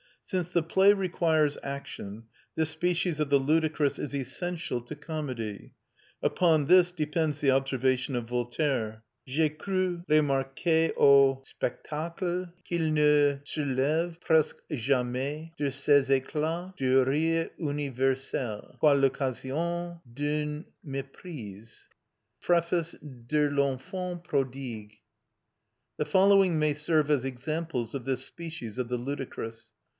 Since the play requires action, this species of the ludicrous is essential to comedy. Upon this depends the observation of Voltaire: "_J'ai cru remarquer aux spectacles, qu'il ne s'élève presque jamais de ces éclats de rire universels, qu'à l'occasion d'une_ MÉPRISE" (Preface de L'Enfant Prodigue). The following may serve as examples of this species of the ludicrous.